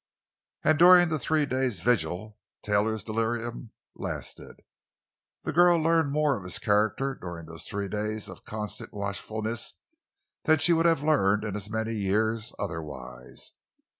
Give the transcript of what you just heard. And during the three days' vigil, Taylor's delirium lasted. The girl learned more of his character during those three days of constant watchfulness than she would have learned in as many years otherwise.